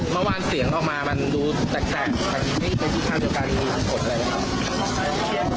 เมื่อวานเสียงเขามามันดูแตกแตกไม่เคยพูดถ้าเกิดการมีผลอะไรนะครับ